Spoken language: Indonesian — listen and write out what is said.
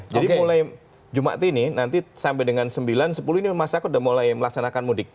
mulai jumat ini nanti sampai dengan sembilan sepuluh ini masyarakat sudah mulai melaksanakan mudik